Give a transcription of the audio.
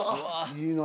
いいな。